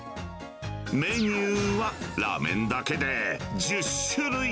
メニューはラーメンだけで１０種類。